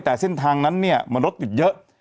แต่เส้นทางนั้นเนี่ยมันรถหยุดเยอะ